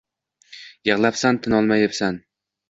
Yiglayabsan tinolmayabsan